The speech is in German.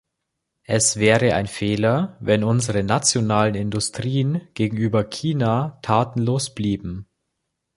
Es wäre aber ein Fehler, wenn unsere nationalen Industrien gegenüber China tatenlos blieben.